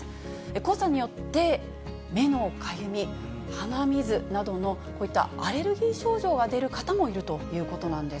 黄砂によって目のかゆみ、鼻水などの、こういったアレルギー症状が出る方もいるということなんです。